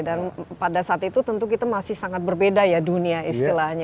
dan pada saat itu tentu kita masih sangat berbeda ya dunia istilahnya